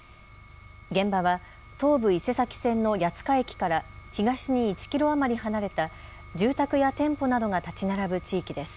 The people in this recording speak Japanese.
現場は東武伊勢崎線の谷塚駅から東に１キロ余り離れた住宅や店舗などが建ち並ぶ地域です。